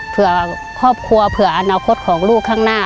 เผื่อครอบครัวเผื่ออนาคตของลูกข้างหน้า